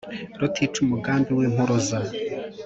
rutica umugambi w' impuruza